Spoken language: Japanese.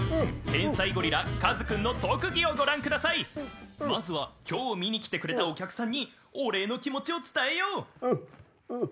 天才ゴリラカズ君の特技をご覧ください・・まずは今日見に来てくれたお客さんにお礼の気持ちを伝えよう！